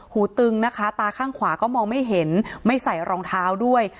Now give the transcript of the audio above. ตึงนะคะตาข้างขวาก็มองไม่เห็นไม่ใส่รองเท้าด้วย